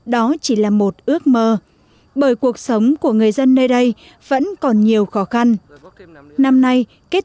đó chỉ là một ước mơ bởi cuộc sống của người dân nơi đây vẫn còn nhiều khó khăn năm nay kết